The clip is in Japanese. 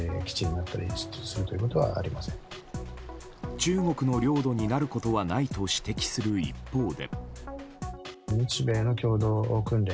中国の領土になることはないと指摘する一方で。